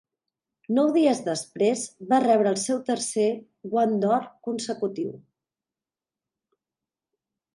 Nou dies després, va rebre el seu tercer Guant d'Or consecutiu.